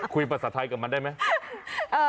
คุยภาษาไทยกับเหมือนมันได้ไหม